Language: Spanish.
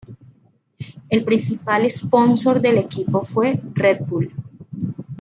El principal sponsor del equipo fue Red Bull.